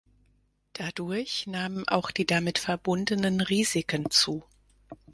Dadurch nahmen auch die damit verbundenen Risiken zu.